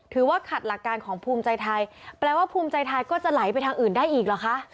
ถือว่าขัดหลักการของภูมิใจไทยแปลว่าภูมิใจไทยก็จะไหลไปทางอื่นได้อีกเหรอคะ